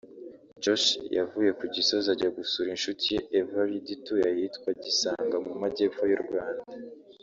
Josh yavuye ku Gisozi ajya gusura inshuti ye ‘Evaride’ ituye ahitwa Gisanga mu Majyepfo y’u Rwanda